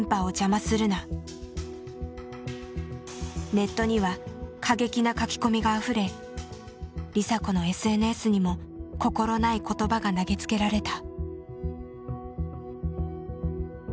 ネットには過激な書き込みがあふれ梨紗子のＳＮＳにも心ない言葉が投げつけられた。